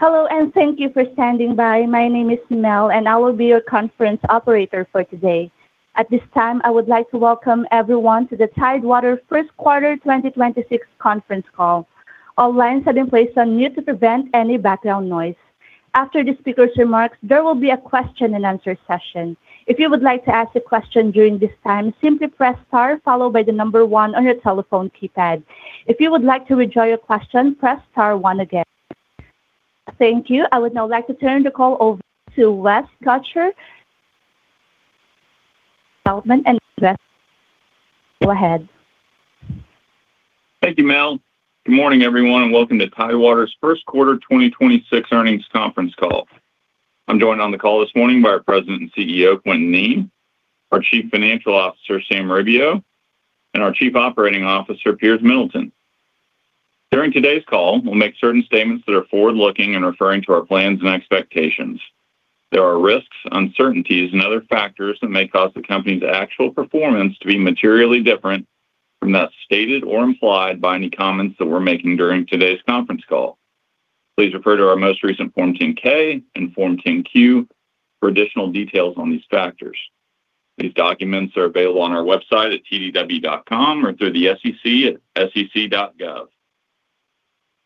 Hello, and thank you for standing by. My name is Mel, and I will be your conference operator for today. At this time, I would like to welcome everyone to the Tidewater first quarter 2026 conference call. All lines have been placed on mute to prevent any background noise. After the speaker's remarks, there will be a question-and-answer session. If you would like to ask a question during this time, simply press star followed by one on your telephone keypad. If you would like to withdraw your question, press star one again. Thank you. I would now like to turn the call over to West Gotcher-- development, and [inaudible] go ahead. Thank you, Mel. Good morning, everyone, and welcome to Tidewater's first quarter 2026 earnings conference call. I'm joined on the call this morning by our President and CEO, Quintin Kneen, our Chief Financial Officer, Sam Rubio, and our Chief Operating Officer, Piers Middleton. During today's call, we'll make certain statements that are forward-looking in referring to our plans and expectations. There are risks, uncertainties, and other factors that may cause the company's actual performance to be materially different from that stated or implied by any comments that we're making during today's conference call. Please refer to our most recent Form 10-K and Form 10-Q for additional details on these factors. These documents are available on our website at tdw.com or through the SEC at sec.gov.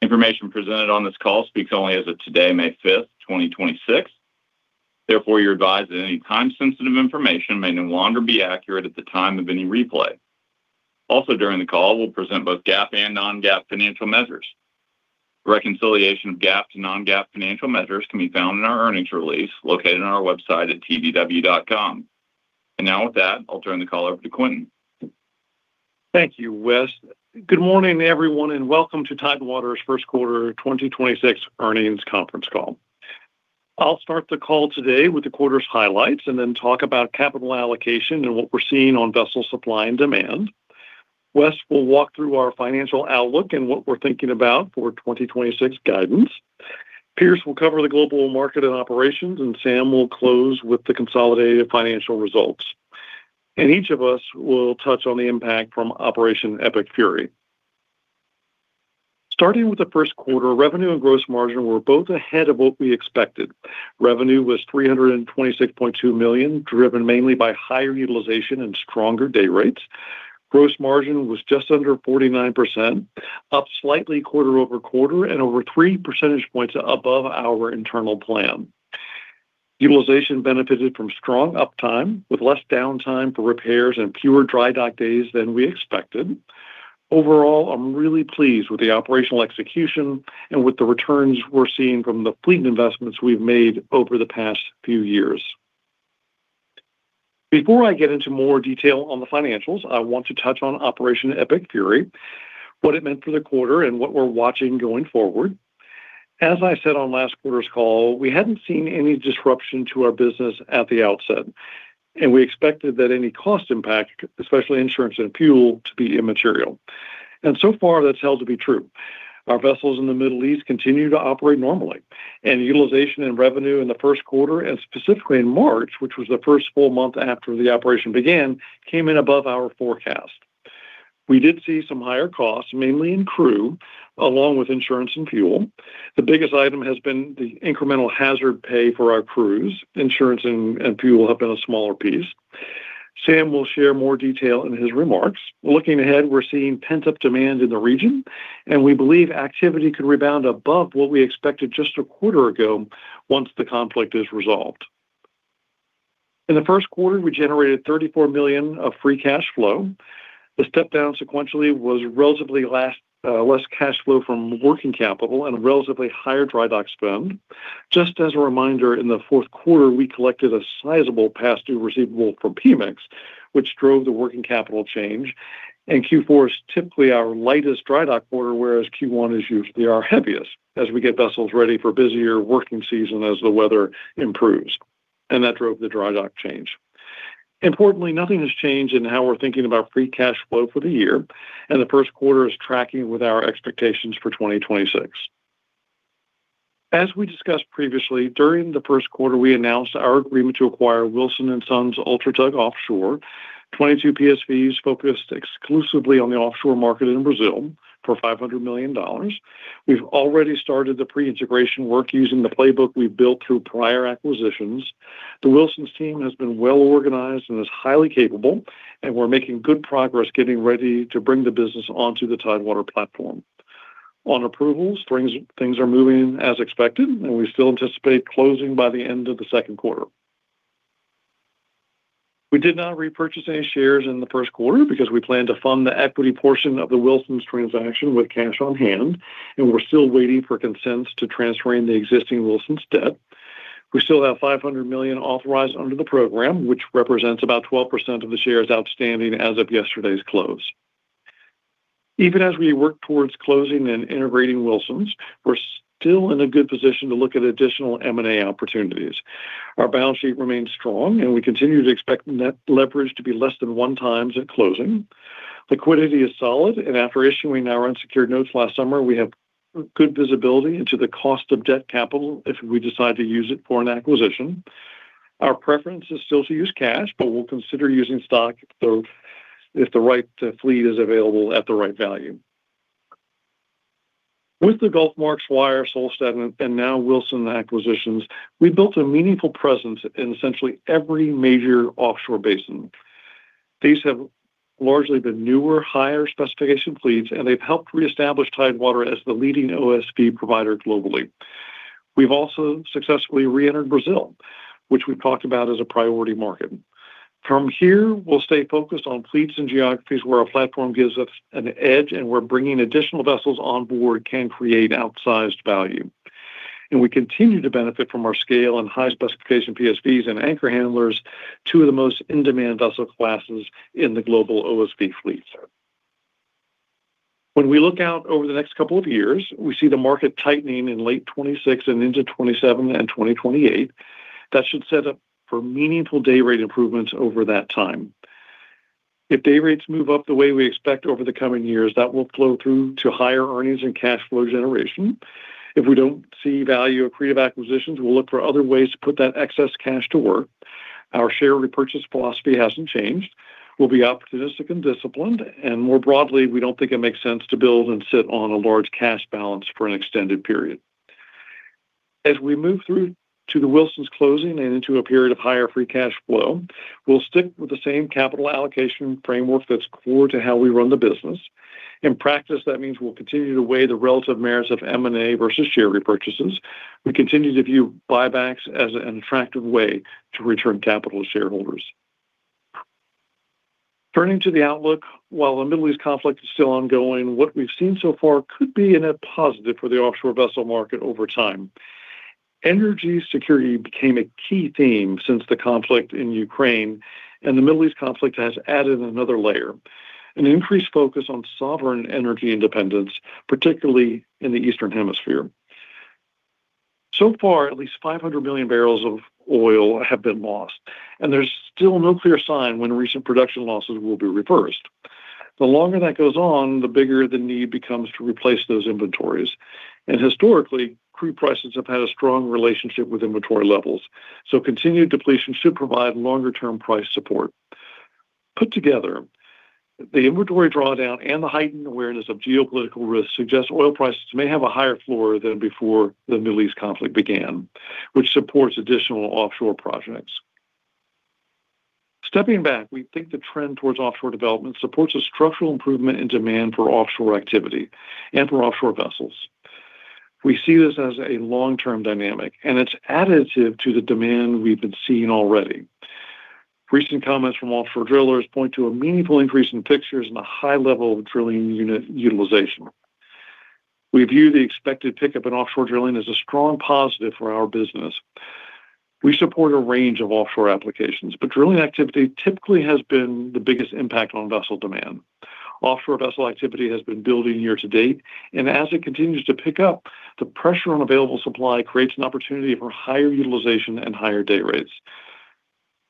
Information presented on this call speaks only as of today, May 5th, 2026. Therefore, you're advised that any time-sensitive information may no longer be accurate at the time of any replay. Also, during the call, we'll present both GAAP and non-GAAP financial measures. Reconciliation of GAAP to non-GAAP financial measures can be found in our earnings release located on our website at tdw.com. Now with that, I'll turn the call over to Quintin. Thank you, West. Good morning, everyone, welcome to Tidewater's first quarter 2026 earnings conference call. I'll start the call today with the quarter's highlights then talk about capital allocation and what we're seeing on vessel supply and demand. West will walk through our financial outlook and what we're thinking about for 2026 guidance. Piers will cover the global market and operations, Sam will close with the consolidated financial results. Each of us will touch on the impact from Operation Epic Fury. Starting with the first quarter, revenue and gross margin were both ahead of what we expected. Revenue was $326.2 million, driven mainly by higher utilization and stronger day rates. Gross margin was just under 49%, up slightly quarter-over-quarter and over 3 percentage points above our internal plan. Utilization benefited from strong uptime with less downtime for repairs and fewer dry dock days than we expected. Overall, I'm really pleased with the operational execution and with the returns we're seeing from the fleet investments we've made over the past few years. Before I get into more detail on the financials, I want to touch on Operation Epic Fury, what it meant for the quarter and what we're watching going forward. As I said on last quarter's call, we hadn't seen any disruption to our business at the outset, we expected that any cost impact, especially insurance and fuel, to be immaterial. So far, that's held to be true. Our vessels in the Middle East continue to operate normally, and utilization and revenue in the first quarter and specifically in March, which was the first full month after the operation began, came in above our forecast. We did see some higher costs, mainly in crew, along with insurance and fuel. The biggest item has been the incremental hazard pay for our crews. Insurance and fuel have been a smaller piece. Sam will share more detail in his remarks. Looking ahead, we're seeing pent-up demand in the region, and we believe activity could rebound above what we expected just a quarter ago once the conflict is resolved. In the first quarter, we generated $34 million of free cash flow. The step down sequentially was relatively less cash flow from working capital and relatively higher dry dock spend. Just as a reminder, in the fourth quarter, we collected a sizable past due receivable from PEMEX, which drove the working capital change. Q4 is typically our lightest dry dock quarter, whereas Q1 is usually our heaviest as we get vessels ready for busier working season as the weather improves, and that drove the dry dock change. Importantly, nothing has changed in how we're thinking about free cash flow for the year, and the first quarter is tracking with our expectations for 2026. As we discussed previously, during the first quarter, we announced our agreement to acquire Wilson Sons Ultratug Offshore, 22 PSVs focused exclusively on the offshore market in Brazil for $500 million. We've already started the pre-integration work using the playbook we've built through prior acquisitions. The Wilson's team has been well-organized and is highly capable, and we're making good progress getting ready to bring the business onto the Tidewater platform. On approvals, things are moving as expected. We still anticipate closing by the end of the second quarter. We did not repurchase any shares in the first quarter because we plan to fund the equity portion of the Wilson's transaction with cash on hand. We're still waiting for consents to transferring the existing Wilson's debt. We still have $500 million authorized under the program, which represents about 12% of the shares outstanding as of yesterday's close. Even as we work towards closing and integrating Wilson's, we're still in a good position to look at additional M&A opportunities. Our balance sheet remains strong. We continue to expect net leverage to be less than 1x at closing. Liquidity is solid. After issuing our unsecured notes last summer, we have good visibility into the cost of debt capital if we decide to use it for an acquisition. Our preference is still to use cash. We'll consider using stock if the right fleet is available at the right value. With the GulfMark, Swire, Solstad, and now Wilson acquisitions, we built a meaningful presence in essentially every major offshore basin. These have largely been newer, higher specification fleets. They've helped reestablish Tidewater as the leading OSV provider globally. We've also successfully re-entered Brazil, which we've talked about as a priority market. From here, we'll stay focused on fleets and geographies where our platform gives us an edge, and where bringing additional vessels on board can create outsized value. We continue to benefit from our scale and high specification PSVs and anchor handlers, two of the most in-demand vessel classes in the global OSV fleet. When we look out over the next couple of years, we see the market tightening in late 2026 and into 2027 and 2028. That should set up for meaningful day rate improvements over that time. If day rates move up the way we expect over the coming years, that will flow through to higher earnings and cash flow generation. If we don't see value accretive acquisitions, we'll look for other ways to put that excess cash to work. Our share repurchase philosophy hasn't changed. We'll be opportunistic and disciplined, and more broadly, we don't think it makes sense to build and sit on a large cash balance for an extended period. As we move through to the Wilson Sons closing and into a period of higher free cash flow, we'll stick with the same capital allocation framework that's core to how we run the business. In practice, that means we'll continue to weigh the relative merits of M&A versus share repurchases. We continue to view buybacks as an attractive way to return capital to shareholders. Turning to the outlook, while the Middle East conflict is still ongoing, what we've seen so far could be a net positive for the offshore vessel market over time. Energy security became a key theme since the conflict in Ukraine, and the Middle East conflict has added another layer, an increased focus on sovereign energy independence, particularly in the eastern hemisphere. So far, at least 500 MMbbl of oil have been lost, and there's still no clear sign when recent production losses will be reversed. The longer that goes on, the bigger the need becomes to replace those inventories. Historically, crude prices have had a strong relationship with inventory levels, so continued depletion should provide longer-term price support. Put together, the inventory drawdown and the heightened awareness of geopolitical risks suggest oil prices may have a higher floor than before the Middle East conflict began, which supports additional offshore projects. Stepping back, we think the trend towards offshore development supports a structural improvement in demand for offshore activity and for offshore vessels. We see this as a long-term dynamic, and it's additive to the demand we've been seeing already. Recent comments from offshore drillers point to a meaningful increase in fixtures and a high level of drilling unit utilization. We view the expected pickup in offshore drilling as a strong positive for our business. We support a range of offshore applications. Drilling activity typically has been the biggest impact on vessel demand. Offshore vessel activity has been building year-to-date. As it continues to pick up, the pressure on available supply creates an opportunity for higher utilization and higher day rates.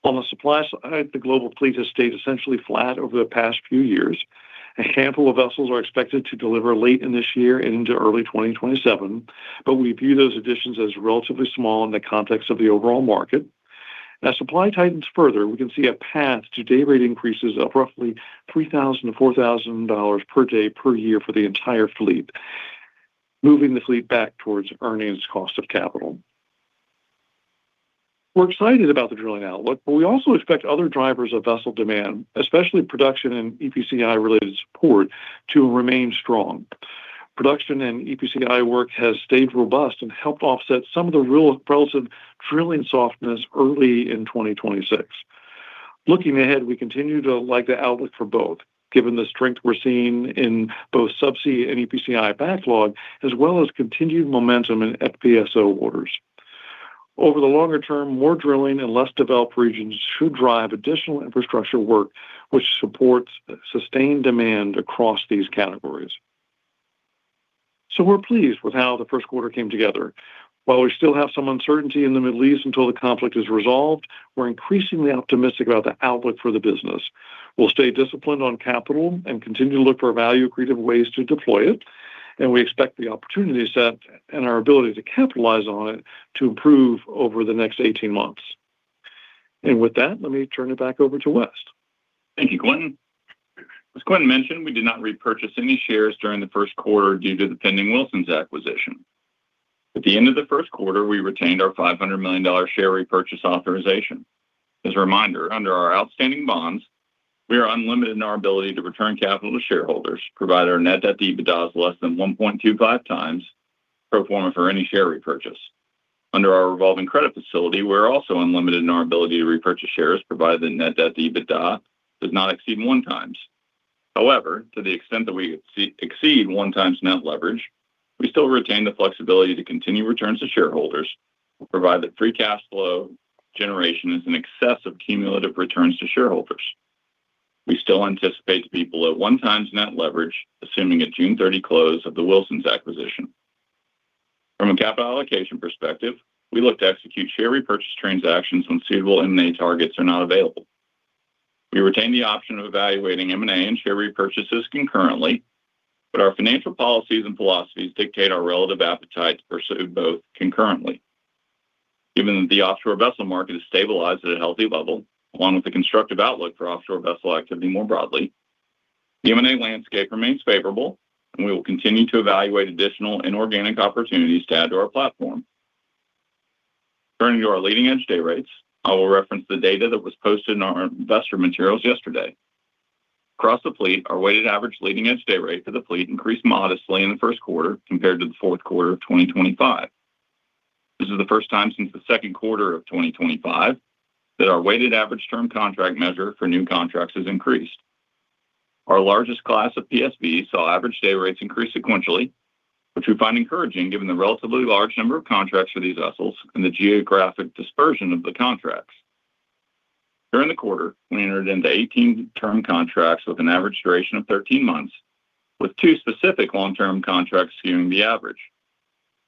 On the supply side, the global fleet has stayed essentially flat over the past few years. A handful of vessels are expected to deliver late in this year and into early 2027. We view those additions as relatively small in the context of the overall market. As supply tightens further, we can see a path to day rate increases of roughly $3,000-$4,000 per day per year for the entire fleet, moving the fleet back towards earnings cost of capital. We're excited about the drilling outlook, but we also expect other drivers of vessel demand, especially production and EPCI-related support, to remain strong. Production and EPCI work has stayed robust and helped offset some of the real relative drilling softness early in 2026. Looking ahead, we continue to like the outlook for both, given the strength we're seeing in both subsea and EPCI backlog, as well as continued momentum in FPSO orders. Over the longer term, more drilling in less developed regions should drive additional infrastructure work, which supports sustained demand across these categories. We're pleased with how the first quarter came together. While we still have some uncertainty in the Middle East until the conflict is resolved, we're increasingly optimistic about the outlook for the business. We'll stay disciplined on capital and continue to look for value-accretive ways to deploy it, and we expect the opportunity set and our ability to capitalize on it to improve over the next 18 months. With that, let me turn it back over to West. Thank you, Quintin. As Quintin mentioned, we did not repurchase any shares during the first quarter due to the pending Wilson's acquisition. At the end of the first quarter, we retained our $500 million share repurchase authorization. As a reminder, under our outstanding bonds, we are unlimited in our ability to return capital to shareholders, provided our net debt to EBITDA is less than 1.25x pro forma for any share repurchase. Under our revolving credit facility, we are also unlimited in our ability to repurchase shares, provided the net debt to EBITDA does not exceed 1x. However, to the extent that we exceed 1x net leverage, we still retain the flexibility to continue returns to shareholders, provided that free cash flow generation is in excess of cumulative returns to shareholders. We still anticipate to be below 1x net leverage, assuming a June 30 close of the Wilson Sons acquisition. From a capital allocation perspective, we look to execute share repurchase transactions when suitable M&A targets are not available. We retain the option of evaluating M&A and share repurchases concurrently, but our financial policies and philosophies dictate our relative appetite to pursue both concurrently. Given that the offshore vessel market has stabilized at a healthy level, along with the constructive outlook for offshore vessel activity more broadly, the M&A landscape remains favorable, and we will continue to evaluate additional inorganic opportunities to add to our platform. Turning to our leading-edge day rates, I will reference the data that was posted in our investor materials yesterday. Across the fleet, our weighted average leading-edge day rate for the fleet increased modestly in the first quarter compared to the fourth quarter of 2025. This is the first time since the second quarter of 2025 that our weighted average term contract measure for new contracts has increased. Our largest class of PSV saw average day rates increase sequentially, which we find encouraging given the relatively large number of contracts for these vessels and the geographic dispersion of the contracts. During the quarter, we entered into 18 term contracts with an average duration of 13 months, with two specific long-term contracts skewing the average.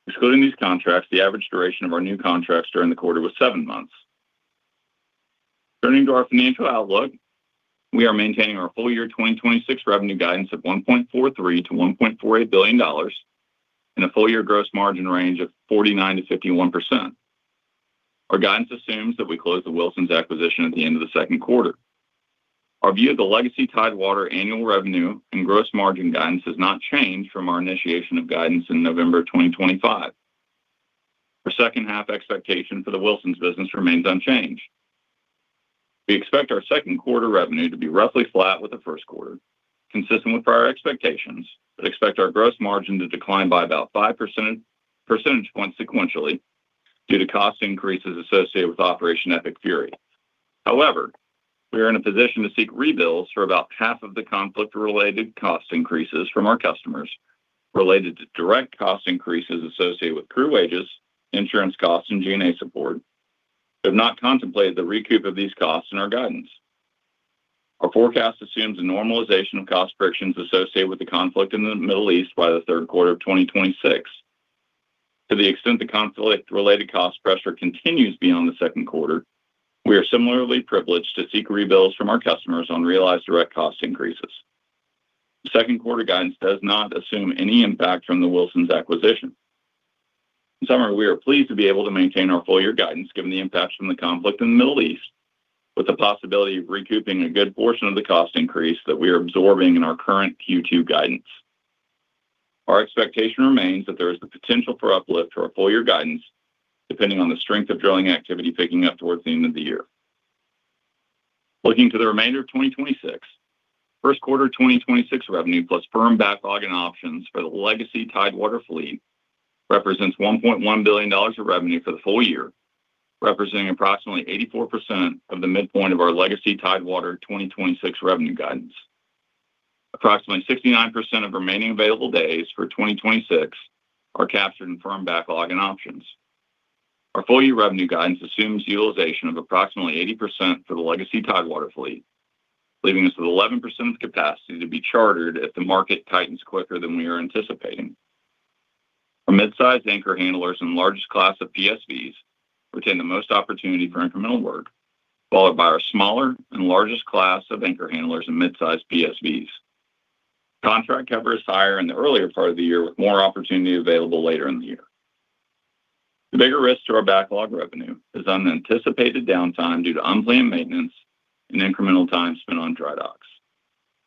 Excluding these contracts, the average duration of our new contracts during the quarter was seven months. Turning to our financial outlook, we are maintaining our full-year 2026 revenue guidance of $1.43 billion-$1.48 billion and a full-year gross margin range of 49%-51%. Our guidance assumes that we close the Wilson Sons acquisition at the end of the second quarter. Our view of the legacy Tidewater annual revenue and gross margin guidance has not changed from our initiation of guidance in November 2025. Our second half expectation for the Wilson Sons business remains unchanged. We expect our second quarter revenue to be roughly flat with the first quarter, consistent with prior expectations, but expect our gross margin to decline by about 5 percentage points sequentially due to cost increases associated with Operation Epic Fury. We are in a position to seek rebills for about half of the conflict-related cost increases from our customers related to direct cost increases associated with crew wages, insurance costs, and G&A support. We have not contemplated the recoup of these costs in our guidance. Our forecast assumes a normalization of cost frictions associated with the conflict in the Middle East by the third quarter of 2026. To the extent the conflict-related cost pressure continues beyond the second quarter, we are similarly privileged to seek rebills from our customers on realized direct cost increases. The second quarter guidance does not assume any impact from the Wilson Sons acquisition. In summary, we are pleased to be able to maintain our full-year guidance given the impact from the conflict in the Middle East, with the possibility of recouping a good portion of the cost increase that we are absorbing in our current Q2 guidance. Our expectation remains that there is the potential for uplift to our full-year guidance, depending on the strength of drilling activity picking up towards the end of the year. Looking to the remainder of 2026, first quarter 2026 revenue plus firm backlog and options for the legacy Tidewater fleet represents $1.1 billion of revenue for the full year, representing approximately 84% of the midpoint of our legacy Tidewater 2026 revenue guidance. Approximately 69% of remaining available days for 2026 are captured in firm backlog and options. Our full-year revenue guidance assumes utilization of approximately 80% for the legacy Tidewater fleet, leaving us with 11% of capacity to be chartered if the market tightens quicker than we are anticipating. Our mid-size anchor handlers and largest class of PSVs retain the most opportunity for incremental work, followed by our smaller and largest class of anchor handlers and mid-size PSVs. Contract cover is higher in the earlier part of the year, with more opportunity available later in the year. The bigger risk to our backlog revenue is unanticipated downtime due to unplanned maintenance and incremental time spent on dry docks.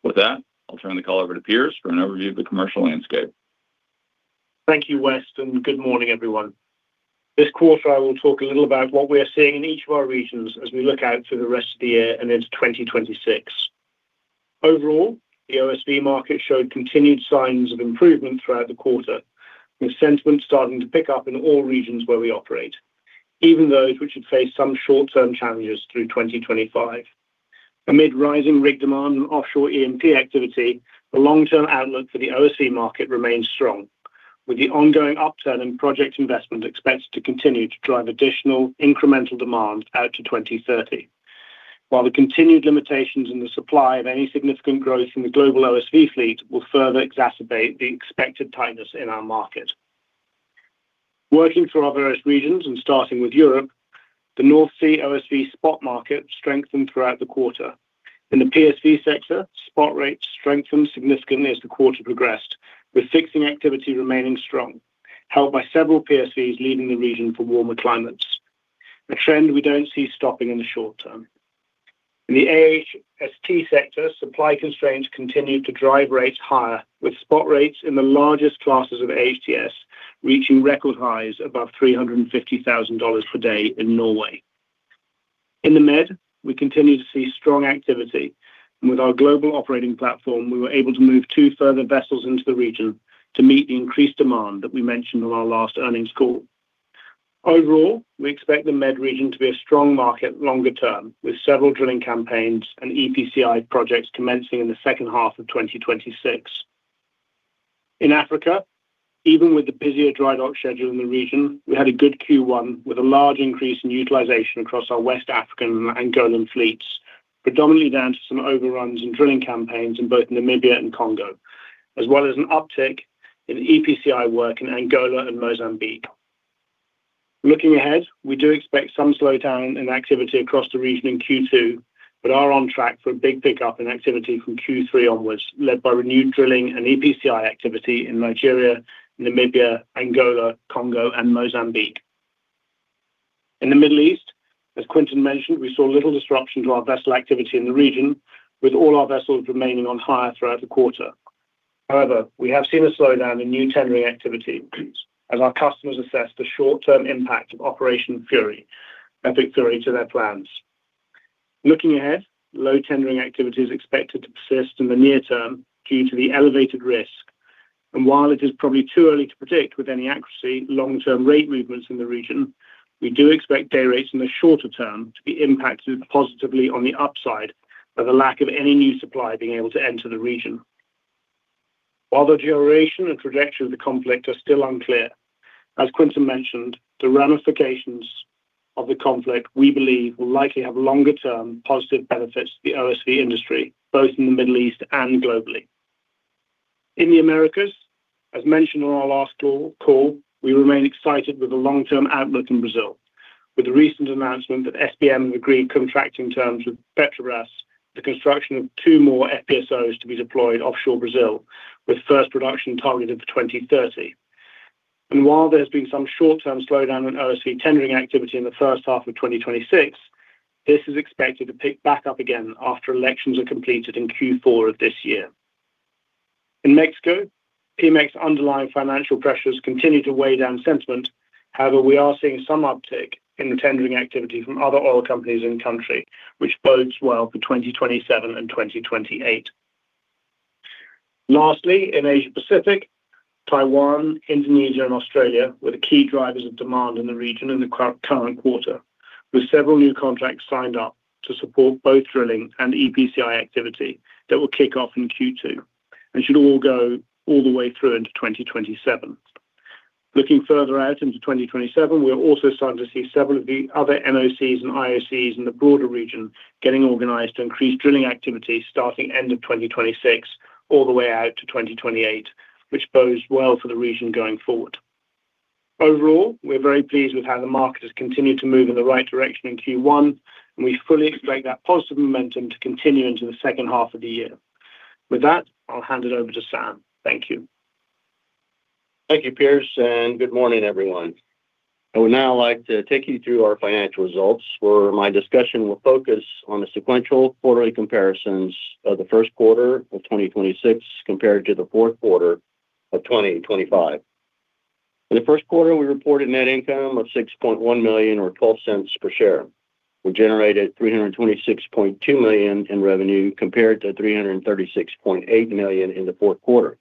With that, I'll turn the call over to Piers for an overview of the commercial landscape. Thank you, West, and good morning, everyone. This quarter, I will talk a little about what we are seeing in each of our regions as we look out to the rest of the year and into 2026. Overall, the OSV market showed continued signs of improvement throughout the quarter, with sentiment starting to pick up in all regions where we operate, even those which had faced some short-term challenges through 2025. Amid rising rig demand and offshore E&P activity, the long-term outlook for the OSV market remains strong, with the ongoing upturn in project investment expected to continue to drive additional incremental demand out to 2030, while the continued limitations in the supply of any significant growth in the global OSV fleet will further exacerbate the expected tightness in our market. Working through our various regions and starting with Europe, the North Sea OSV spot market strengthened throughout the quarter. In the PSV sector, spot rates strengthened significantly as the quarter progressed, with fixing activity remaining strong, helped by several PSVs leaving the region for warmer climates, a trend we don't see stopping in the short term. In the AHTS sector, supply constraints continued to drive rates higher, with spot rates in the largest classes of AHTSs reaching record highs above $350,000 per day in Norway. In the Med, we continue to see strong activity, and with our global operating platform, we were able to move two further vessels into the region to meet the increased demand that we mentioned on our last earnings call. Overall, we expect the Med region to be a strong market longer term, with several drilling campaigns and EPCI projects commencing in the second half of 2026. In Africa, even with the busier dry dock schedule in the region, we had a good Q1 with a large increase in utilization across our West African and Angolan fleets, predominantly down to some overruns in drilling campaigns in both Namibia and Congo, as well as an uptick in EPCI work in Angola and Mozambique. Looking ahead, we do expect some slowdown in activity across the region in Q2, but are on track for a big pickup in activity from Q3 onwards, led by renewed drilling and EPCI activity in Nigeria, Namibia, Angola, Congo and Mozambique. In the Middle East, as Quintin mentioned, we saw little disruption to our vessel activity in the region, with all our vessels remaining on hire throughout the quarter. We have seen a slowdown in new tendering activity as our customers assess the short-term impact of Operation Epic Fury to their plans. Looking ahead, low tendering activity is expected to persist in the near term due to the elevated risk. While it is probably too early to predict with any accuracy long-term rate movements in the region, we do expect day rates in the shorter term to be impacted positively on the upside by the lack of any new supply being able to enter the region. While the duration and trajectory of the conflict are still unclear, as Quintin mentioned, the ramifications of the conflict, we believe, will likely have longer-term positive benefits to the OSV industry, both in the Middle East and globally. In the Americas, as mentioned on our last call, we remain excited with the long-term outlook in Brazil, with the recent announcement that SBM agreed contracting terms with Petrobras, the construction of two more FPSOs to be deployed offshore Brazil, with first production targeted for 2030. While there has been some short-term slowdown in OSV tendering activity in the first half of 2026, this is expected to pick back up again after elections are completed in Q4 of this year. In Mexico, PEMEX underlying financial pressures continue to weigh down sentiment. However, we are seeing some uptick in the tendering activity from other oil companies in the country, which bodes well for 2027 and 2028. Lastly, in Asia-Pacific, Taiwan, Indonesia and Australia were the key drivers of demand in the region in the current quarter, with several new contracts signed up to support both drilling and EPCI activity that will kick off in Q2 and should all go all the way through into 2027. Looking further out into 2027, we are also starting to see several of the other NOCs and IOCs in the broader region getting organized to increase drilling activity starting end of 2026 all the way out to 2028, which bodes well for the region going forward. Overall, we're very pleased with how the market has continued to move in the right direction in Q1. We fully expect that positive momentum to continue into the second half of the year. With that, I'll hand it over to Sam. Thank you. Thank you, Piers, and good morning, everyone. I would now like to take you through our financial results, where my discussion will focus on the sequential quarterly comparisons of the first quarter of 2026 compared to the fourth quarter of 2025. In the first quarter, we reported net income of $6.1 million or $0.12 per share. We generated $326.2 million in revenue compared to $336.8 million in the fourth quarter.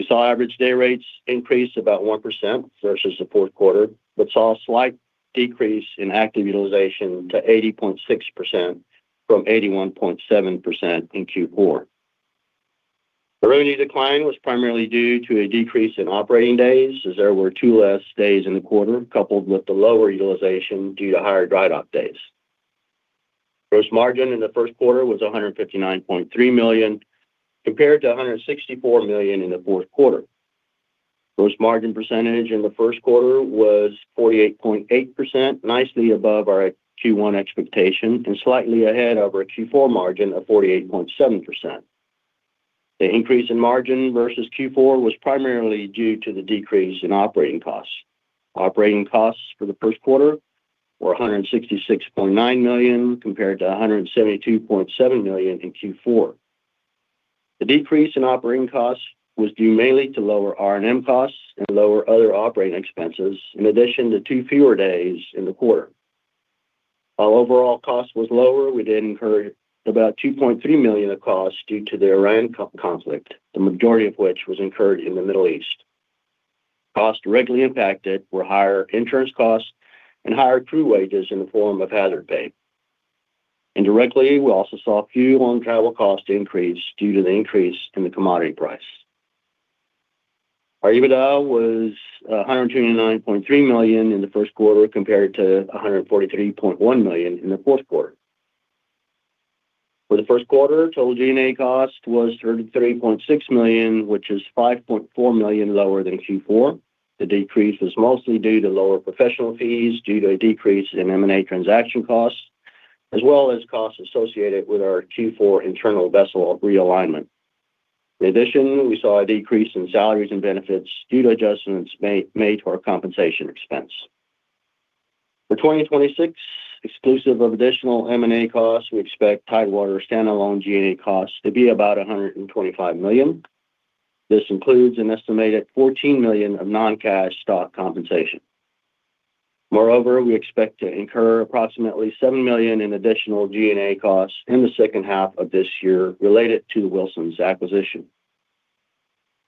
We saw average day rates increase about 1% versus the fourth quarter, but saw a slight decrease in active utilization to 80.6% from 81.7% in Q4. The revenue decline was primarily due to a decrease in operating days, as there were two less days in the quarter, coupled with the lower utilization due to higher dry dock days. Gross margin in the first quarter was $159.3 million compared to $164 million in the fourth quarter. Gross margin percentage in the first quarter was 48.8%, nicely above our Q1 expectation and slightly ahead of our Q4 margin of 48.7%. The increase in margin versus Q4 was primarily due to the decrease in operating costs. Operating costs for the first quarter were $166.9 million compared to $172.7 million in Q4. The decrease in operating costs was due mainly to lower R&M costs and lower other operating expenses in addition to two fewer days in the quarter. While overall cost was lower, we did incur about $2.3 million of costs due to the Iran conflict, the majority of which was incurred in the Middle East. Costs directly impacted were higher insurance costs and higher crew wages in the form of hazard pay. Indirectly, we also saw fuel and travel costs increase due to the increase in the commodity price. Our EBITDA was $129.3 million in the first quarter compared to $143.1 million in the fourth quarter. For the first quarter, total G&A cost was $33.6 million, which is $5.4 million lower than Q4. The decrease was mostly due to lower professional fees due to a decrease in M&A transaction costs, as well as costs associated with our Q4 internal vessel realignment. In addition, we saw a decrease in salaries and benefits due to adjustments made to our compensation expense. For 2026, exclusive of additional M&A costs, we expect Tidewater standalone G&A costs to be about $125 million. This includes an estimated $14 million of non-cash stock compensation. Moreover, we expect to incur approximately $7 million in additional G&A costs in the second half of this year related to Wilson's acquisition.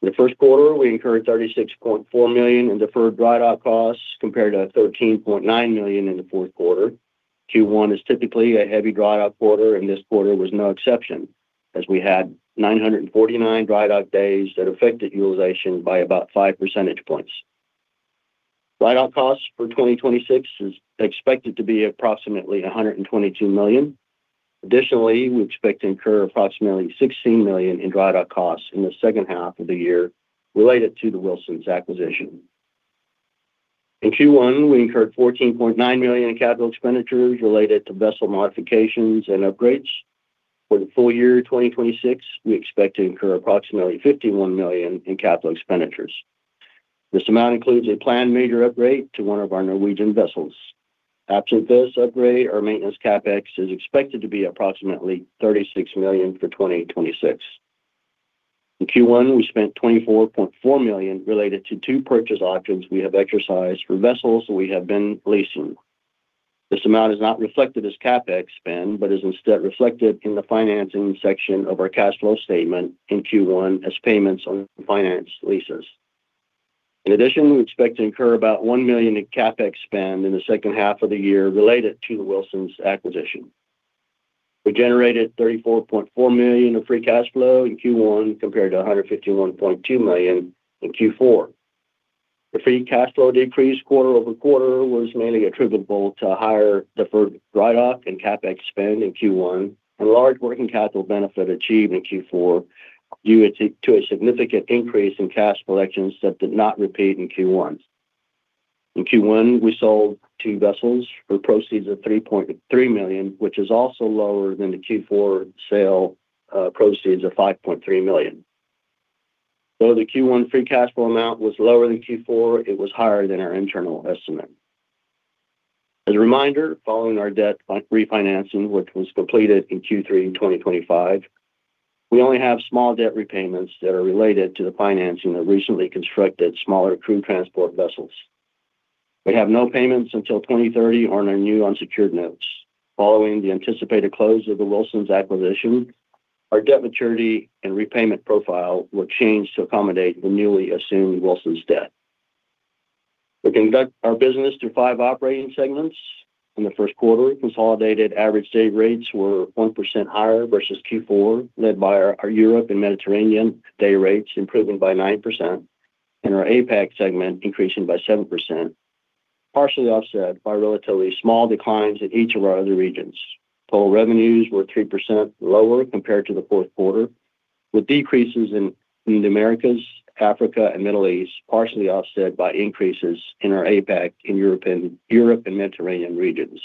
In the first quarter, we incurred $36.4 million in deferred dry dock costs compared to $13.9 million in the fourth quarter. Q1 is typically a heavy dry dock quarter, and this quarter was no exception, as we had 949 dry dock days that affected utilization by about 5 percentage points. Dry dock costs for 2026 is expected to be approximately $122 million. We expect to incur approximately $16 million in dry dock costs in the second half of the year related to the Wilson Sons acquisition. In Q1, we incurred $14.9 million in capital expenditures related to vessel modifications and upgrades. For the full year 2026, we expect to incur approximately $51 million in capital expenditures. This amount includes a planned major upgrade to one of our Norwegian vessels. Absent this upgrade, our maintenance CapEx is expected to be approximately $36 million for 2026. In Q1, we spent $24.4 million related to two purchase options we have exercised for vessels we have been leasing. This amount is not reflected as CapEx spend, but is instead reflected in the financing section of our cash flow statement in Q1 as payments on finance leases. In addition, we expect to incur about $1 million in CapEx spend in the second half of the year related to the Wilson Sons acquisition. We generated $34.4 million in free cash flow in Q1 compared to $151.2 million in Q4. The free cash flow decrease quarter-over-quarter was mainly attributable to higher deferred drydock and CapEx spend in Q1 and a large working capital benefit achieved in Q4 due to a significant increase in cash collections that did not repeat in Q1. In Q1, we sold two vessels for proceeds of $3.3 million, which is also lower than the Q4 sale proceeds of $5.3 million. Though the Q1 free cash flow amount was lower than Q4, it was higher than our internal estimate. As a reminder, following our debt refinancing, which was completed in Q3 2025, we only have small debt repayments that are related to the financing of recently constructed smaller crew transport vessels. We have no payments until 2030 on our new unsecured notes. Following the anticipated close of the Wilson Sons acquisition, our debt maturity and repayment profile will change to accommodate the newly assumed Wilson Sons debt. We conduct our business through five operating segments. In the first quarter, we consolidated average day rates were 1% higher versus Q4, led by our Europe and Mediterranean day rates improving by 9% and our APAC segment increasing by 7%, partially offset by relatively small declines in each of our other regions. Total revenues were 3% lower compared to the fourth quarter, with decreases in the Americas, Africa, and Middle East, partially offset by increases in our APAC, European and Mediterranean regions.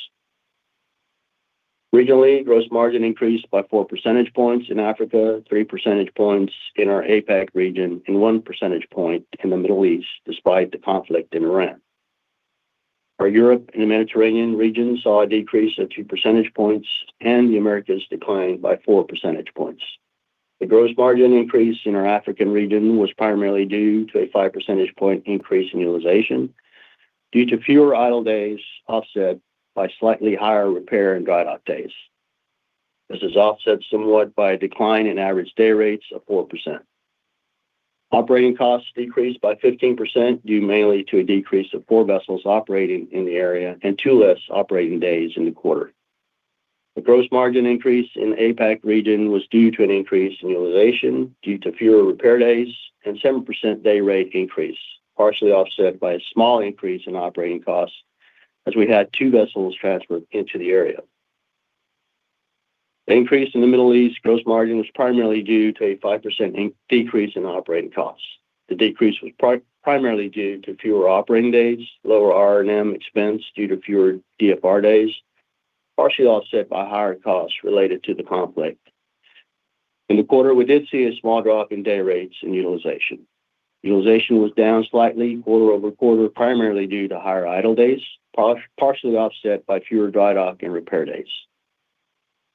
Regionally, gross margin increased by 4 percentage points in Africa, 3 percentage points in our APAC region, and 1 percentage point in the Middle East, despite the conflict in Iran. Our Europe and the Mediterranean region saw a decrease of 2 percentage points, and the Americas declined by 4 percentage points. The gross margin increase in our African region was primarily due to a 5 percentage point increase in utilization due to fewer idle days offset by slightly higher repair and drydock days. This is offset somewhat by a decline in average day rates of 4%. Operating costs decreased by 15% due mainly to a decrease of four vessels operating in the area and two less operating days in the quarter. The gross margin increase in APAC region was due to an increase in utilization due to fewer repair days and 7% day rate increase, partially offset by a small increase in operating costs as we had two vessels transferred into the area. The increase in the Middle East gross margin was primarily due to a 5% decrease in operating costs. The decrease was primarily due to fewer operating days, lower R&M expense due to fewer DFR days, partially offset by higher costs related to the conflict. In the quarter, we did see a small drop in day rates and utilization. Utilization was down slightly quarter-over-quarter, primarily due to higher idle days, partially offset by fewer drydock and repair days.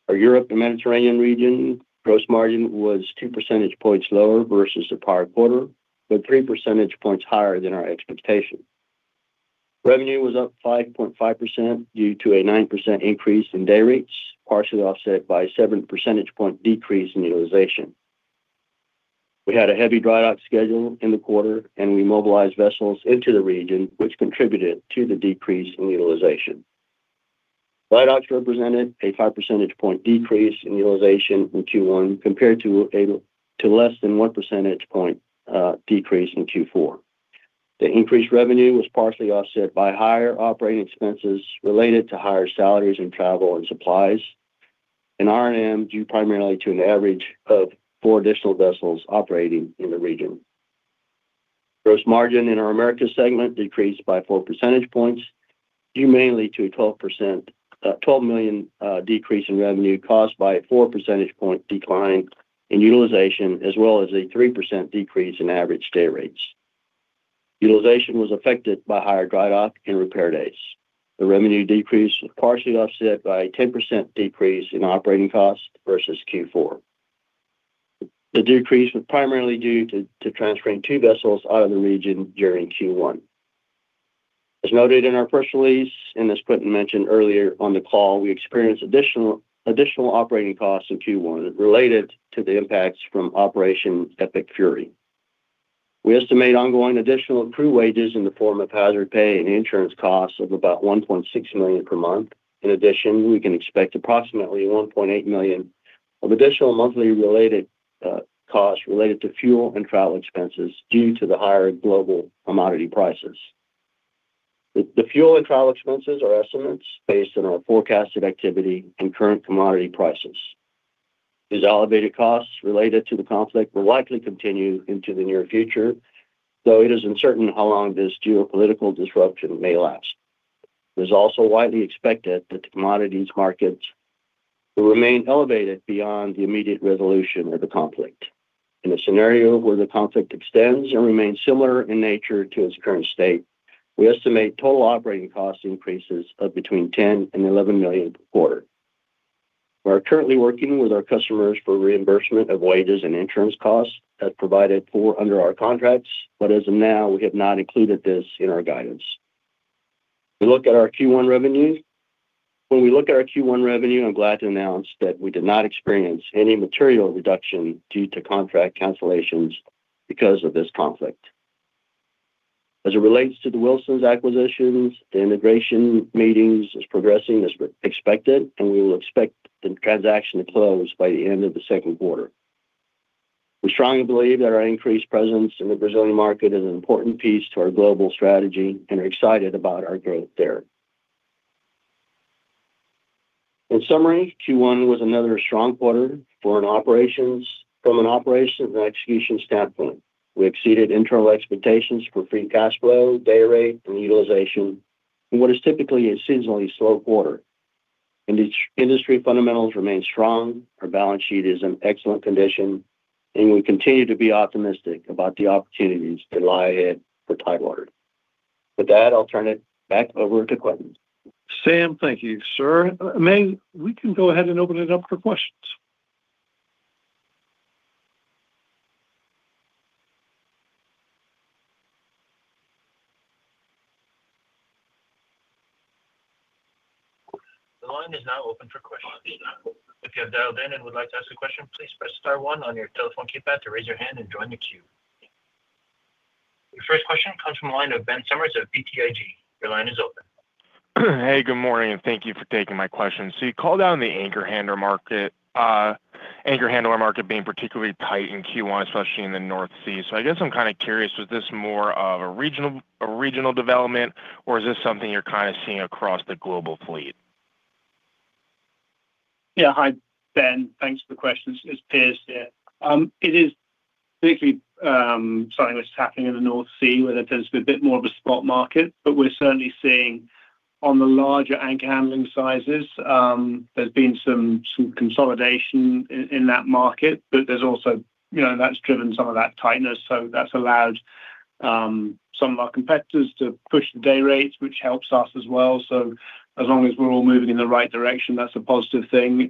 Our Europe and Mediterranean region gross margin was 2 percentage points lower versus the prior quarter, but 3 percentage points higher than our expectation. Revenue was up 5.5% due to a 9% increase in day rates, partially offset by a 7 percentage point decrease in utilization. We had a heavy drydock schedule in the quarter, and we mobilized vessels into the region, which contributed to the decrease in utilization. Dry docks represented a 5 percentage point decrease in utilization in Q1 compared to less than 1 percentage point decrease in Q4. The increased revenue was partially offset by higher operating expenses related to higher salaries in travel and supplies and R&M due primarily to an average of four additional vessels operating in the region. Gross margin in our Americas segment decreased by 4 percentage points, due mainly to a 12%, $12 million decrease in revenue caused by a 4 percentage point decline in utilization, as well as a 3% decrease in average day rates. Utilization was affected by higher drydock and repair days. The revenue decrease was partially offset by a 10% decrease in operating costs versus Q4. The decrease was primarily due to transferring two vessels out of the region during Q1. As noted in our press release, as Quintin mentioned earlier on the call, we experienced additional operating costs in Q1 related to the impacts from Operation Epic Fury. We estimate ongoing additional crew wages in the form of hazard pay and insurance costs of about $1.6 million per month. In addition, we can expect approximately $1.8 million of additional monthly costs related to fuel and travel expenses due to the higher global commodity prices. The fuel and travel expenses are estimates based on our forecasted activity and current commodity prices. These elevated costs related to the conflict will likely continue into the near future, though it is uncertain how long this geopolitical disruption may last. It is also widely expected that the commodities markets will remain elevated beyond the immediate resolution of the conflict. In a scenario where the conflict extends and remains similar in nature to its current state, we estimate total operating cost increases of between $10 million-$11 million per quarter. We are currently working with our customers for reimbursement of wages and insurance costs as provided for under our contracts. As of now, we have not included this in our guidance. We look at our Q1 revenues. When we look at our Q1 revenue, I'm glad to announce that we did not experience any material reduction due to contract cancellations because of this conflict. As it relates to the Wilson Sons acquisitions, the integration meetings is progressing as expected, and we will expect the transaction to close by the end of the second quarter. We strongly believe that our increased presence in the Brazilian market is an important piece to our global strategy and are excited about our growth there. In summary, Q1 was another strong quarter from an operations and execution standpoint. We exceeded internal expectations for free cash flow, day rate, and utilization in what is typically a seasonally slow quarter. Industry fundamentals remain strong. Our balance sheet is in excellent condition. We continue to be optimistic about the opportunities that lie ahead for Tidewater. With that, I'll turn it back over to Quintin. Sam, thank you, sir. May we can go ahead and open it up for questions. The line is now open for questions. If you have dialed in and would like to ask a question, please press star one on your telephone keypad to raise your hand and join the queue. Your first question comes from the line of Ben Sommers of BTIG. Your line is open. Good morning, and thank you for taking my question. You called out the anchor handler market being particularly tight in Q1, especially in the North Sea. I guess I'm kind of curious, was this more of a regional development, or is this something you're kind of seeing across the global fleet? Hi, Ben. Thanks for the questions. It's Piers here. It is particularly something that's happening in the North Sea, where there tends to be a bit more of a spot market. We're certainly seeing on the larger anchor handling sizes, there's been some consolidation in that market. There's also You know, that's driven some of that tightness, so that's allowed some of our competitors to push the day rates, which helps us as well. As long as we're all moving in the right direction, that's a positive thing.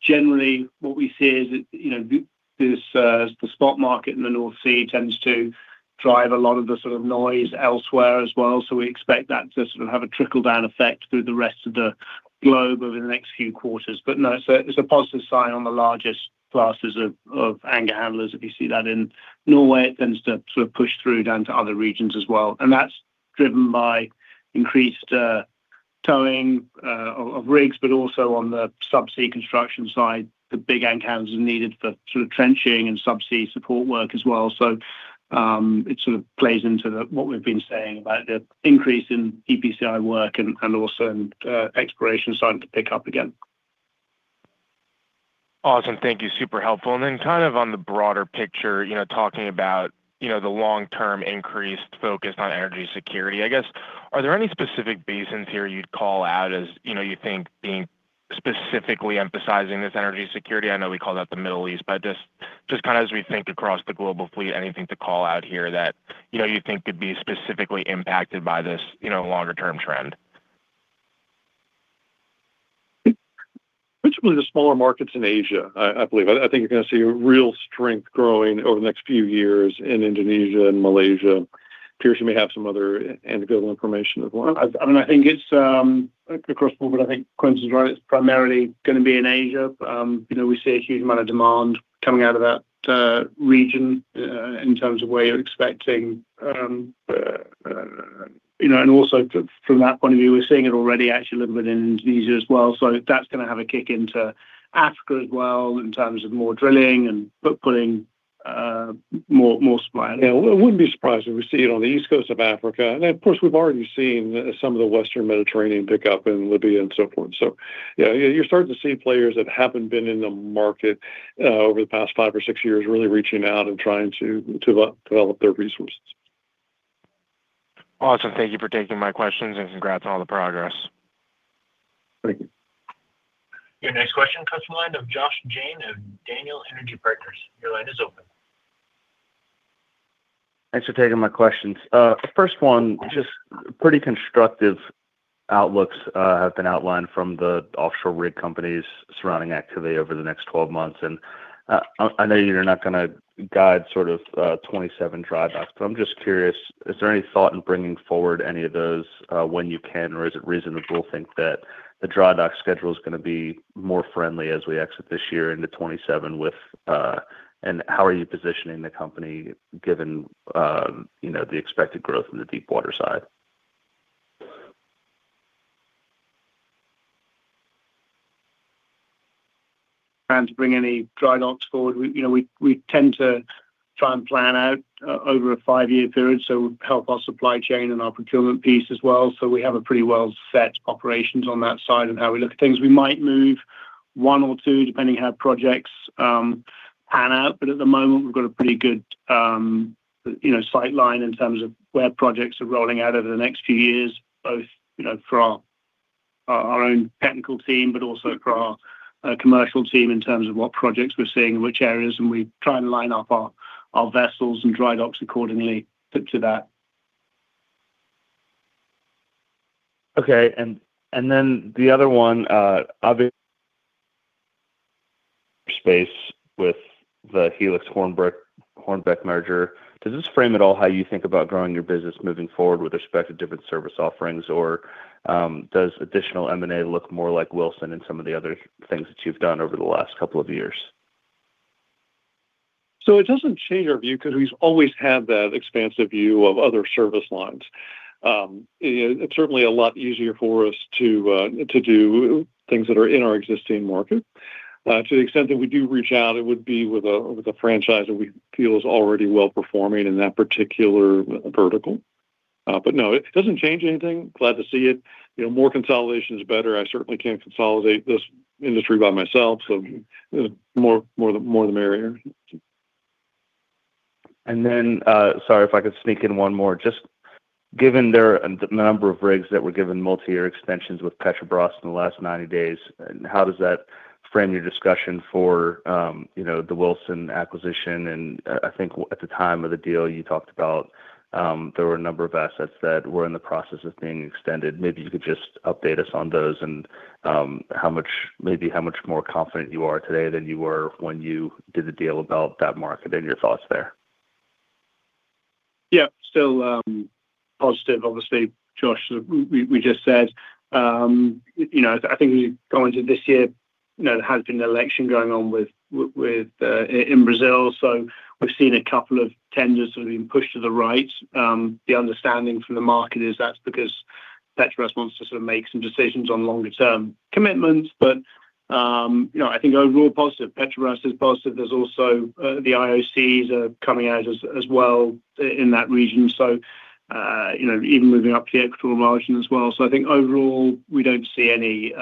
Generally, what we see is that, you know, this the spot market in the North Sea tends to drive a lot of the sort of noise elsewhere as well. We expect that to have a trickle-down effect through the rest of the globe over the next few quarters. It's a positive sign on the largest classes of Anchor handlers. If you see that in Norway, it tends to push through down to other regions as well. That's driven by increased towing of rigs, but also on the subsea construction side, the big Anchor handlers are needed for trenching and subsea support work as well. It plays into what we've been saying about the increase in EPCI work and also in exploration starting to pick up again. Awesome. Thank you. Super helpful. Then kind of on the broader picture, you know, talking about, you know, the long-term increased focus on energy security. I guess, are there any specific basins here you'd call out as, you know, you think being specifically emphasizing this energy security? I know we called out the Middle East, but just kind of as we think across the global fleet, anything to call out here that, you know, you think could be specifically impacted by this, you know, longer term trend? Principally the smaller markets in Asia, I believe. I think you're gonna see a real strength growing over the next few years in Indonesia and Malaysia. Piers, you may have some other anecdotal information as well. I mean, I think it's across the board, I think Quintin's right. It's primarily gonna be in Asia. You know, we see a huge amount of demand coming out of that region in terms of where you're expecting. You know, and also from that point of view, we're seeing it already actually a little bit in Indonesia as well. That's gonna have a kick into Africa as well in terms of more drilling and putting more supply. Yeah. Wouldn't be surprised if we see it on the east coast of Africa. Of course, we've already seen some of the western Mediterranean pick up in Libya and so forth. Yeah, you're starting to see players that haven't been in the market over the past five or six years, really reaching out and trying to de-develop their resources. Awesome. Thank you for taking my questions, and congrats on all the progress. Thank you. Your next question comes from the line of Josh Jayne of Daniel Energy Partners. Your line is open. Thanks for taking my questions. The first one, just pretty constructive outlooks have been outlined from the offshore rig companies surrounding activity over the next 12 months. I know you're not gonna guide sort of 2027 dry docks, but I'm just curious, is there any thought in bringing forward any of those when you can? Is it reasonable to think that the dry dock schedule is gonna be more friendly as we exit this year into 2027? How are you positioning the company given, you know, the expected growth in the deepwater side? To bring any dry docks forward, we, you know, we tend to try and plan out over a five-year period, so help our supply chain and our procurement piece as well. We have a pretty well-set operations on that side and how we look at things. We might move one or two depending how projects pan out, but at the moment we've got a pretty good, you know, sight line in terms of what projects are rolling out over the next few years, both, you know, for our own technical team, but also for our commercial team in terms of what projects we're seeing in which areas, and we try and line up our vessels and dry docks accordingly fit to that. Okay. The other one, obvious space with the Helix and Hornbeck merger, does this frame at all how you think about growing your business moving forward with respect to different service offerings? Does additional M&A look more like Wilson and some of the other things that you've done over the last couple of years? It doesn't change our view 'cause we've always had that expansive view of other service lines. It's certainly a lot easier for us to do things that are in our existing market. To the extent that we do reach out, it would be with a, with a franchise that we feel is already well-performing in that particular vertical. No, it doesn't change anything. Glad to see it. You know, more consolidation is better. I certainly can't consolidate this industry by myself, so the more, the more the merrier. Sorry if I could sneak in one more. Just given the number of rigs that were given multi-year extensions with Petrobras in the last 90 days, and how does that frame your discussion for, you know, the Wilson acquisition? I think at the time of the deal you talked about, there were a number of assets that were in the process of being extended. Maybe you could just update us on those and how much, maybe how much more confident you are today than you were when you did the deal about that market and your thoughts there. Yeah. Still, positive obviously, Josh, we just said. You know, I think we go into this year, you know, there has been an election going on with in Brazil, we've seen a couple of tenders that have been pushed to the right. The understanding from the market is that's because Petrobras wants to sort of make some decisions on longer term commitments. You know, I think overall positive. Petrobras is positive. There's also, the IOCs are coming out as well in that region. You know, even moving up to the equatorial margin as well. I think overall we don't see any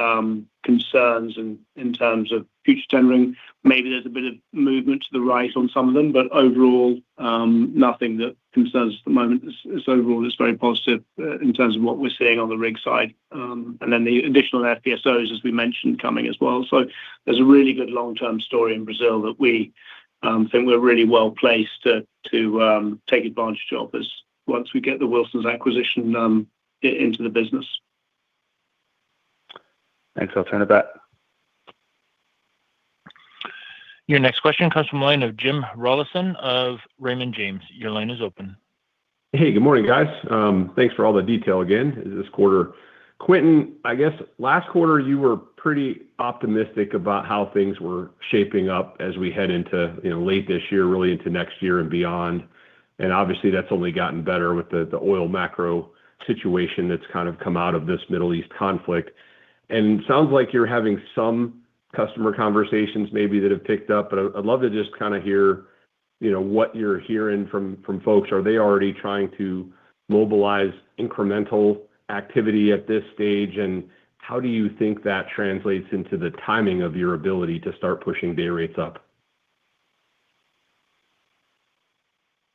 concerns in terms of future tendering. Maybe there's a bit of movement to the right on some of them, but overall, nothing that concerns us at the moment. It's overall just very positive in terms of what we're seeing on the rig side. The additional FPSOs, as we mentioned, coming as well. There's a really good long-term story in Brazil that we think we're really well-placed to take advantage of once we get the Wilson Sons acquisition into the business. Thanks. I'll turn it back. Your next question comes from the line of Jim Rollyson of Raymond James. Your line is open. Hey, good morning, guys. Thanks for all the detail again this quarter. Quintin, I guess last quarter you were pretty optimistic about how things were shaping up as we head into, you know, late this year really into next year and beyond. Obviously that's only gotten better with the oil macro situation that's kind of come out of this Middle East conflict. Sounds like you're having some customer conversations maybe that have picked up, but I'd love to just kind of hear, you know, what you're hearing from folks. Are they already trying to mobilize incremental activity at this stage, and how do you think that translates into the timing of your ability to start pushing day rates up?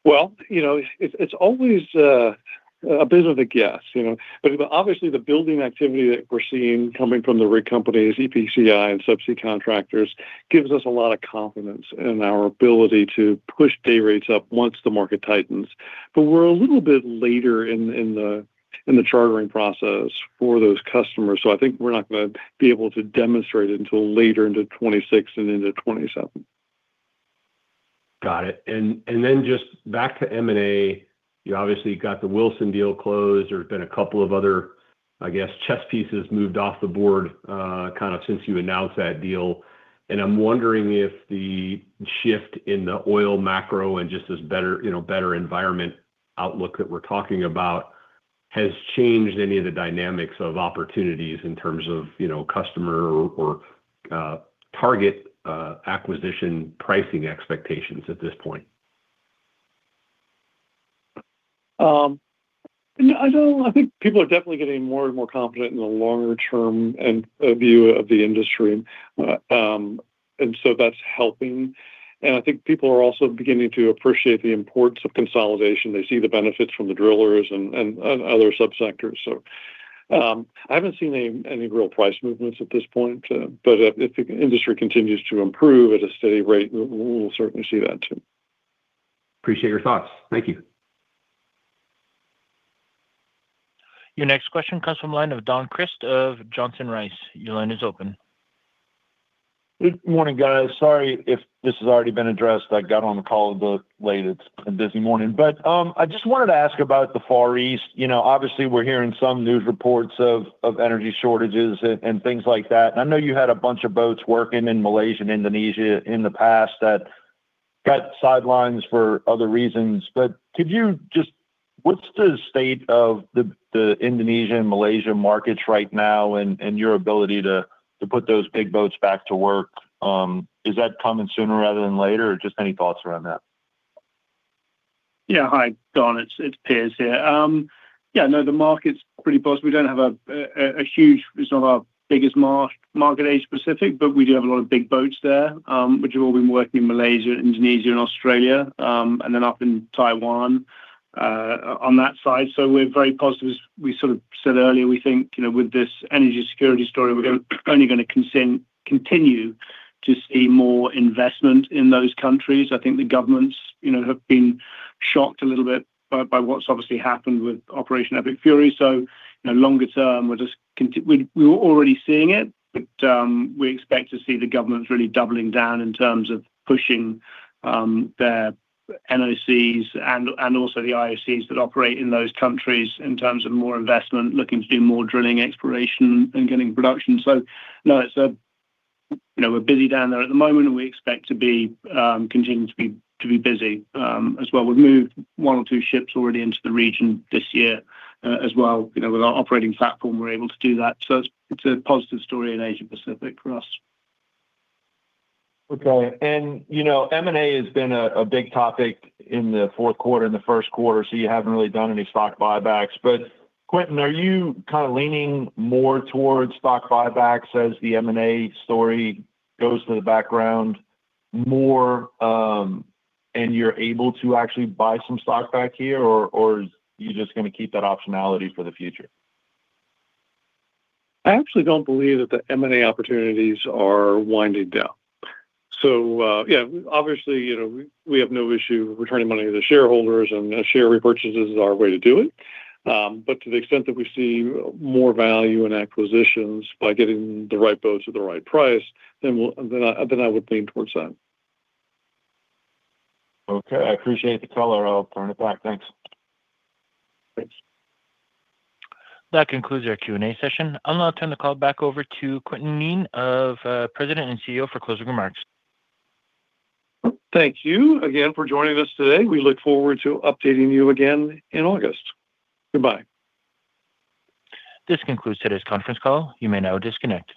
Well, you know, it's always a bit of a guess, you know. Obviously the building activity that we're seeing coming from the rig companies, EPCI and subsea contractors gives us a lot of confidence in our ability to push day rates up once the market tightens. We're a little bit later in the chartering process for those customers, so I think we're not gonna be able to demonstrate it until later into 2026 and into 2027. Got it. Just back to M&A, you obviously got the Wilson deal closed. There have been a couple of other, I guess, chess pieces moved off the board, kind of since you announced that deal. I'm wondering if the shift in the oil macro and just this better, you know, better environment outlook that we're talking about has changed any of the dynamics of opportunities in terms of, you know, customer or target acquisition pricing expectations at this point. No, I don't I think people are definitely getting more and more confident in the longer term and view of the industry. That's helping. I think people are also beginning to appreciate the importance of consolidation. They see the benefits from the drillers and other subsectors. I haven't seen any real price movements at this point. If the industry continues to improve at a steady rate, we'll certainly see that too. Appreciate your thoughts. Thank you. Your next question comes from line of Don Crist of Johnson Rice. Your line is open. Good morning, guys. Sorry if this has already been addressed. I got on the call a bit late. It's been a busy morning. I just wanted to ask about the Far East. You know, obviously we're hearing some news reports of energy shortages and things like that. I know you had a bunch of boats working in Malaysia and Indonesia in the past that got sidelined for other reasons, but could you just, what's the state of the Indonesia and Malaysia markets right now and your ability to put those big boats back to work? Is that coming sooner rather than later? Just any thoughts around that? Hi, Don, it's Piers here. The market's pretty positive. We don't have a huge It's not our biggest market, Asia-Pacific, but we do have a lot of big boats there, which have all been working in Malaysia, Indonesia, and Australia, and then up in Taiwan on that side. We're very positive. As we sort of said earlier, we think, you know, with this energy security story, we're only gonna continue to see more investment in those countries. I think the governments, you know, have been shocked a little bit by what's obviously happened with Operation Epic Fury. You know, longer term we're just we were already seeing it, but we expect to see the governments really doubling down in terms of pushing their NOCs and also the IOCs that operate in those countries in terms of more investment, looking to do more drilling exploration and getting production. It's a you know, we're busy down there at the moment, and we expect to be continuing to be busy as well. We've moved one or two ships already into the region this year as well. You know, with our operating platform, we're able to do that. It's a positive story in Asia-Pacific for us. Okay. You know, M&A has been a big topic in the fourth quarter and the first quarter. You haven't really done any stock buybacks. Quintin, are you kind of leaning more towards stock buybacks as the M&A story goes to the background more, and you're able to actually buy some stock back here? Are you just gonna keep that optionality for the future? I actually don't believe that the M&A opportunities are winding down. Yeah, obviously, you know, we have no issue returning money to the shareholders, and share repurchases is our way to do it. To the extent that we see more value in acquisitions by getting the right boats at the right price, then I would lean towards that. Okay. I appreciate the color. I'll turn it back. Thanks. Thanks. That concludes our Q&A session. I'll now turn the call back over to Quintin Kneen, President and CEO for closing remarks. Thank you again for joining us today. We look forward to updating you again in August. Goodbye. This concludes today's conference call. You may now disconnect.